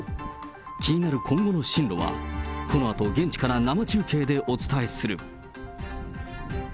気になる今後の進路は、このあと現地から生中継でお伝えする。